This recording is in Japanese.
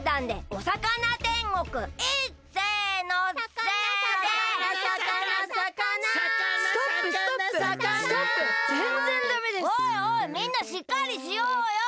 おいおいみんなしっかりしようよ！